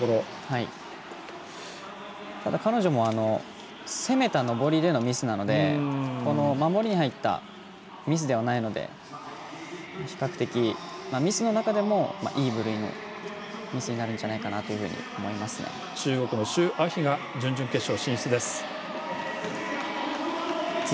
ただ、彼女も攻めた登りでのミスなので守りに入ったミスではないので比較的ミスの中でもいい部類のミスになるんじゃ中国の周あ菲が準々決勝進出です。